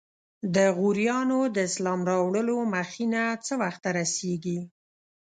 د غوریانو د اسلام راوړلو مخینه څه وخت ته رسیږي؟